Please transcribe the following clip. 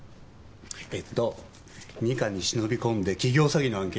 えっと二課に忍び込んで企業詐欺の案件